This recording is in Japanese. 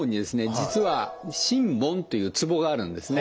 実は神門というツボがあるんですね。